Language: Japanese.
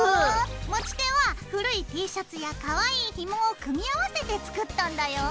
持ち手は古いＴシャツやかわいいひもを組み合わせて作ったんだよ。